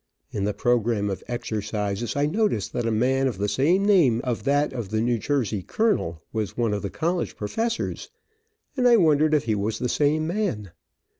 In the programme of exercises I noticed that a man of the same name of that of the New Jersey colonel, was one of the college professors, and I wondered if he was the same man.